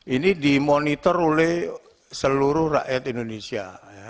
ini dimonitor oleh seluruh rakyat indonesia